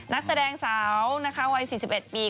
นักแสดงสาวนะคะวัย๔๑ปี